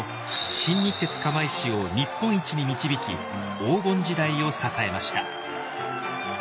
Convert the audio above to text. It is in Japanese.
新日鉄釜石を日本一に導き黄金時代を支えました。